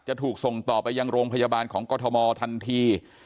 จะถูกส่งต่อไปยังโรงพยาบาลของกรทมทันที